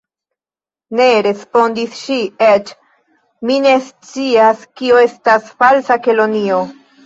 "Ne," respondis ŝi, "eĉ mi ne scias kio estas Falsa Kelonio."